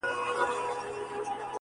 لا یې خوله وي د غلیم په کوتک ماته!!!!!